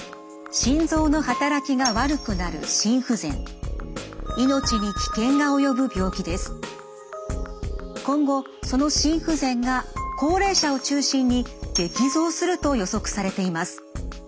心臓の働きが悪くなる今後その心不全が高齢者を中心に激増すると予測されています。